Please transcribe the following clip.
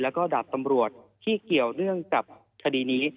แล้วก็ดาบตำรวจที่เกี่ยวเนื่องกับคดีนี้